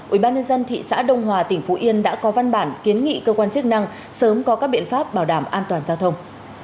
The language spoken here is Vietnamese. ubnd thị xã đông hòa tỉnh phú yên đã có văn bản kiến nghị cơ quan chức năng sớm có các biện pháp bảo đảm an toàn giao thông